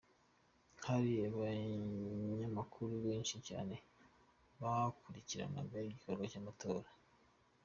Hari abanyamakuru benshi cyane bakurikiranaga igikorwa cy'amatora.